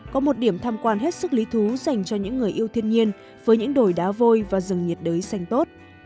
có một điểm tham quan hết sức lý thú dành cho những người yêu thiên nhiên với những đồi đá vôi và rừng nhiệt đới xanh tốt